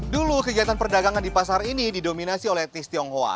dulu kegiatan perdagangan di pasar ini didominasi oleh tis tionghoa